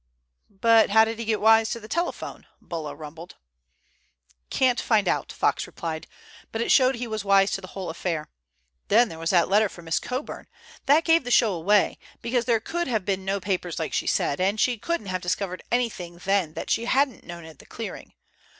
"But how did he get wise to the telephone?" Bulla rumbled. "Can't find out," Fox replied, "but it showed he was wise to the whole affair. Then there was that letter from Miss Coburn. That gave the show away, because there could have been no papers like she said, and she couldn't have discovered anything then that she hadn't known at the clearing.